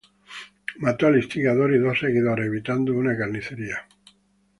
Mató al instigador y dos seguidores, evitando una carnicería.